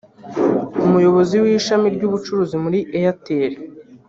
Umuyobozi w’ishami ry’ubucuruzi muri Airtel